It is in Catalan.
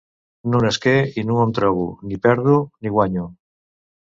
Nu nasqué i nu em trobo; ni perdo ni guanyo.